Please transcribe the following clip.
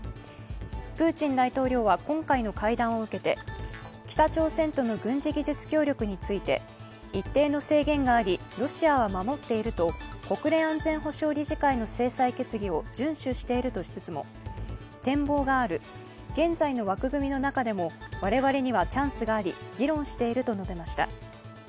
プーチン大統領は今回の会談を受けて、北朝鮮との軍事技術協力について一定の制限がありロシアは守っていると高連安全保障理事会の制裁決議を順守しているとしつつも展望がある、現在の枠組みの中でも我々にはチャンスがあり、議論していると述べました。